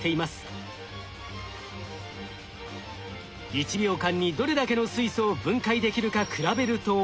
１秒間にどれだけの水素を分解できるか比べると。